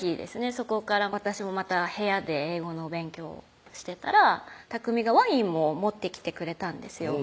そこから私もまた部屋で英語の勉強してたら巧がワインも持ってきてくれたんですよ